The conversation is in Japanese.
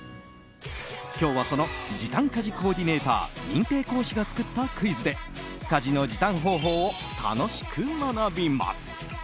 今日はその時間家事コーディネーター認定講師が作ったクイズで家事の時短方法を楽しく学びます。